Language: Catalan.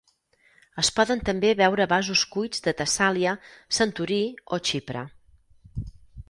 Es poden també veure vasos cuits de Tessàlia, Santorí o Xipre.